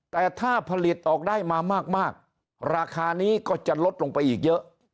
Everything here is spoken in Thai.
แต่ถ้าผลิตออกได้มามากราคานี้ก็จะลดลงไปอีกเยอะ